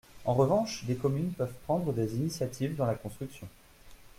En revanche, des communes peuvent prendre des initiatives dans la construction.